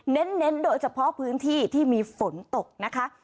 เน้นโดยเฉพาะพื้นที่ที่มีฝนตกนะคะ